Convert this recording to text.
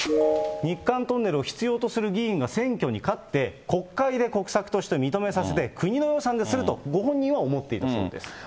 日韓トンネルを必要という議員が選挙に勝って、国会で国策として認めさせて、国の予算ですると、ご本人は思っていたそうです。